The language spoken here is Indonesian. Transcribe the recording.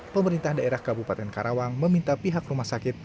pemerintah daerah kabupaten karawang meminta pihak rumah sakit